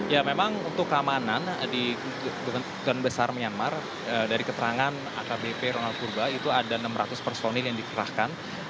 ya memang untuk keamanan di don besar myanmar dari keterangan akbp ronald purba itu ada enam ratus personil yang dikerahkan